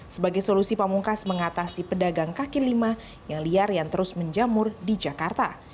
sebagai solusi pamungkas mengatasi pedagang kaki lima yang liar yang terus menjamur di jakarta